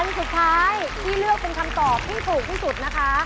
สุดท้ายที่เลือกเป็นคำตอบที่ถูกที่สุดนะคะ